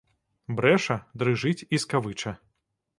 Брэша, дрыжыць і скавыча.